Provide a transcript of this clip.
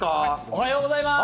おはようございます。